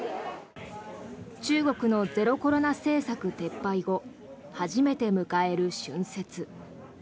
中国のゼロコロナ政策撤廃後初めて迎える春節。